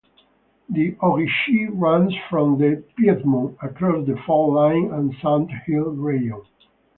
The Ogeechee runs from the Piedmont across the fall line and sandhill region.